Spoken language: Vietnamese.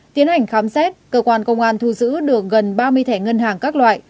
tiến hành khám xét cơ quan công an thu giữ được gần ba mươi thẻ ngân hàng các loại